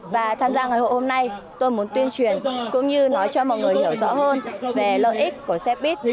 và tham gia ngày hội hôm nay tôi muốn tuyên truyền cũng như nói cho mọi người hiểu rõ hơn về lợi ích của xe buýt